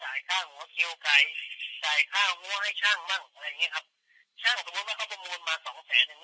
ใส่ค่าหัวให้ช่างบ้างอะไรอย่างเงี้ยครับช่างสมมุติว่าเขาประมวลมาสองแสนอย่างเงี้ย